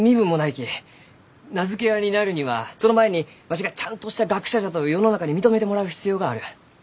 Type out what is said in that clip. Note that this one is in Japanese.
名付け親になるにはその前にわしがちゃんとした学者じゃと世の中に認めてもらう必要がある。